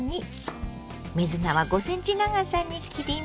水菜は５ｃｍ長さに切ります。